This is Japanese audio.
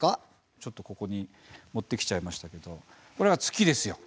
ちょっとここに持ってきちゃいましたけどこれが月ですよ。